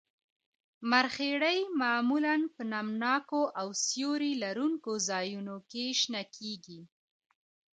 مرخیړي معمولاً په نم ناکو او سیوري لرونکو ځایونو کې شنه کیږي